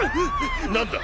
何だ？